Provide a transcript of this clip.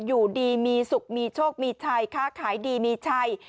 อยู่ดีมีสุขมีโชคมีชัยค้าขายดีมีชัย